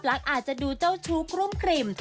ภาพลักษณ์อาจจะดูเจ้าชูกรุ่มกริ่ม